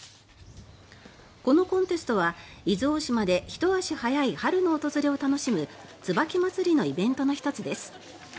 このコンテストは、伊豆大島でひと足早い春の訪れを楽しむ椿まつりのイベントの１つです。